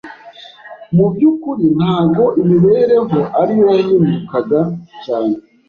Mu by’ukuri ntago imibereho ariyo yahindukaga cyane;